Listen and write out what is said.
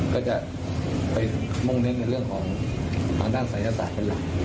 ก็จะไปมุ่งเน้นในเรื่องของทางด้านศัยศาสตร์เป็นหลัก